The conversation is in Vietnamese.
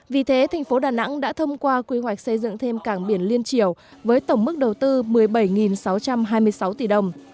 vì thế thành phố đà nẵng đã thông qua quy hoạch xây dựng thêm cảng biển liên triều với tổng mức đầu tư một mươi bảy sáu trăm hai mươi sáu tỷ đồng